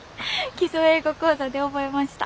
「基礎英語講座」で覚えました。